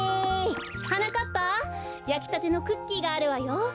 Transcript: はなかっぱやきたてのクッキーがあるわよ。